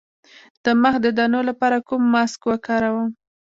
د مخ د دانو لپاره کوم ماسک وکاروم؟